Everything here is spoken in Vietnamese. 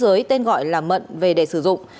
với tên gọi là mận về để sử dụng